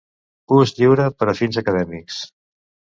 Ús lliure per a fins acadèmics.